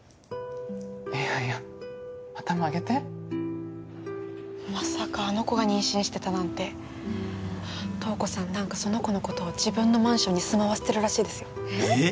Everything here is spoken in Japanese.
いやいや頭上げてまさかあの子が妊娠してたなんて瞳子さん何かその子のことを自分のマンションに住まわせてるらしいですよえっ？